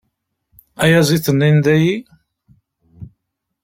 Ayaziḍ-nni n dayi?